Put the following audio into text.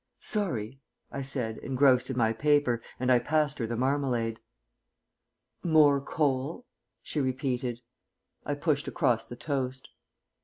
"Sorry," I said, engrossed in my paper, and I passed her the marmalade. "More coal," she repeated. I pushed across the toast.